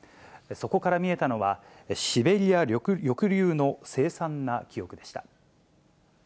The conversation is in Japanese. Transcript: そこから見えたのは、シベリア抑留の凄惨な記憶でした。